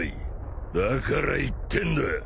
だから言ってんだ。